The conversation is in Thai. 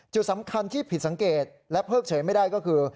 จุดสำคัญที่ผิดสังเกตและเพิกเฉยไม่ได้ก็คือ